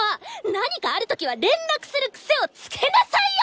何かある時は連絡する癖をつけなさいよ！